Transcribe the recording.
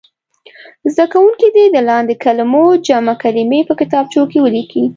زده کوونکي دې د لاندې کلمو جمع کلمې په کتابچو کې ولیکي.